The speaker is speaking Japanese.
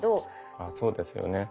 ああそうですよね。